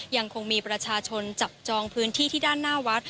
ยังคงมีประชาชนจับจองพื้นที่ที่ด้านหน้าวัด